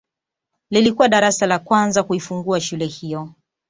Lilikuwa darasa la kwanza kuifungua shule hiyo